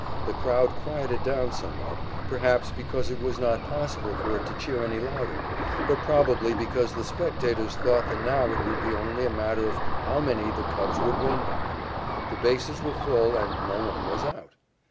The crowd quieted down somewhat, perhaps because it was not possible for it to cheer any louder, but probably because the spectators thought that now it would be only a matter of how many the Cubs would win by. The bases were full, and no one was out.